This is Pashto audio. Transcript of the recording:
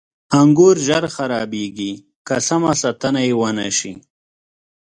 • انګور ژر خرابېږي که سمه ساتنه یې ونه شي.